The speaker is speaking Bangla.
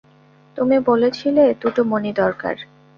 তুমি বলেছিলে দুটো মণি দরকার।